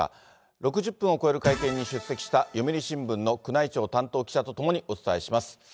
６０分を超える会見に出席した読売新聞の宮内庁担当記者と共にお伝えします。